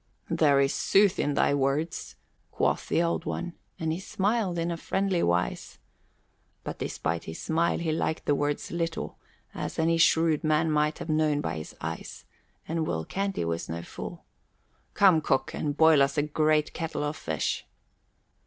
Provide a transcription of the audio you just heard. "There is sooth in thy words," quoth the Old One, and he smiled in friendly wise. (But despite his smile, he liked the words little, as any shrewd man might have known by his eyes, and Will Canty was no fool.) "Come, cook, and boil us a great kettle of fish."